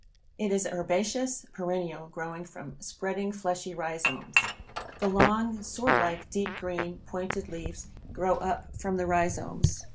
It is a herbaceous perennial growing from spreading fleshy rhizomes. The long, sword like, deep green, pointed leaves grow up from the rhizomes.